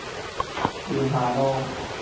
寧夏路